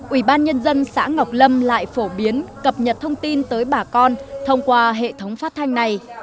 ủy ban nhân dân xã ngọc lâm lại phổ biến cập nhật thông tin tới bà con thông qua hệ thống phát thanh này